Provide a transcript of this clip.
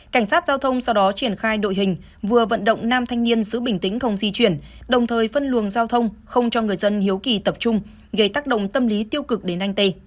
cảnh sát giao thông sau đó triển khai đội hình vừa vận động nam thanh niên giữ bình tĩnh không di chuyển đồng thời phân luồng giao thông không cho người dân hiếu kỳ tập trung gây tác động tâm lý tiêu cực đến anh tê